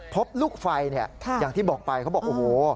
พบลูกไฟเนี่ยอย่างที่บอกไปเขาบอกโอ้โห